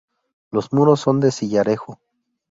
Los muros son de sillarejo.